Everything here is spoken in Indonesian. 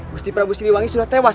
gusti prabu siliwangi sudah tewas